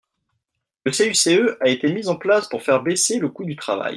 Le CICE a été mis en place pour faire baisser le coût du travail.